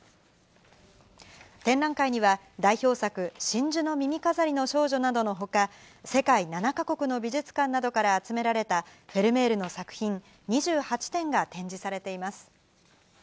展覧会には、代表作、真珠の耳飾りの少女などのほか、世界７か国の美術館などから集められたフェルメールの作品、２８点が展示されています。